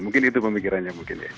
mungkin itu pemikirannya mungkin ya